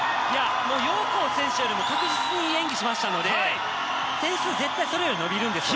ヨウ・コウ選手よりも確実にいい演技をしましたので点数、絶対それより伸びるんですよ。